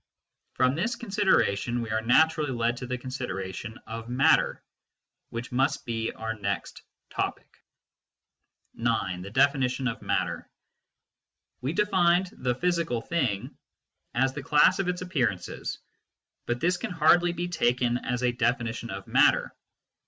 From this con sideration we are naturally led to the consideration of matter, which must be our next topic. IX. THE DEFINITION OF MATTER We defined the " physical thing " as the class of its appearances, but this can hardly be taken as a definition of matter.